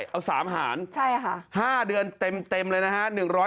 เอา๓หาร๕เดือนเต็มเลยนะฮะ